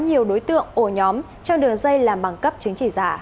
nhiều đối tượng ổ nhóm trong đường dây làm bằng cấp chứng chỉ giả